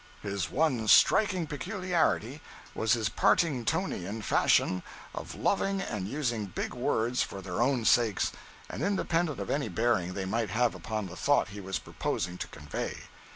His one striking peculiarity was his Partingtonian fashion of loving and using big words for their own sakes, and independent of any bearing they might have upon the thought he was purposing to convey.